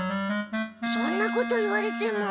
そんなこと言われても。